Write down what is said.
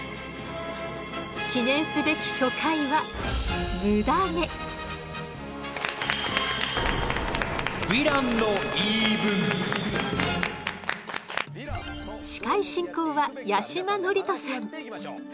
記念すべき初回は司会進行は八嶋智人さん。